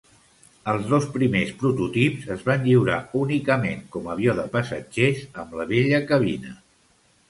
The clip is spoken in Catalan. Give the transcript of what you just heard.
Els dos primers prototips es van lliurar únicament com avió de passatgers amb la vella cabina.